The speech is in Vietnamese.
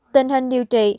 tình hình điều trị